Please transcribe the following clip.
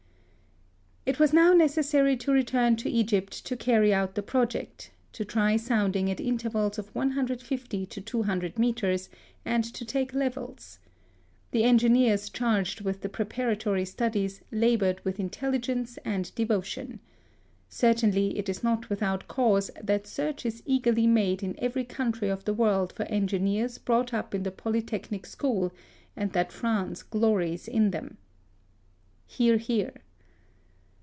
It was now necessary to return to Egjrpt to carry out the project — to try soundings at intervals of 150 to 200 metre", and to take c 34 HISTOEY OF levels. The engineers charged with the preparatory studies laboured with intelli gence and devotion. Certainly it is not without cause that search is eagerly made in every country of the world for engineers brought up in the Polytechnic School, and that France glories in them. (Hear, hear.)